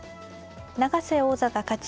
永瀬王座が勝ち